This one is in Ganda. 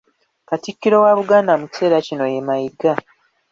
Katikkiro wa Buganda mu kiseera kino ye Mayiga.